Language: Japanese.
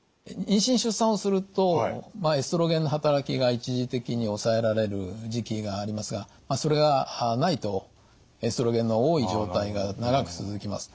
妊娠・出産をするとエストロゲンの働きが一時的に抑えられる時期がありますがそれがないとエストロゲンの多い状態が長く続きます。